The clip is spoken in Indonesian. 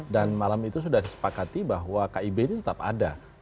dan malam itu sudah disepakati bahwa kib ini tetap ada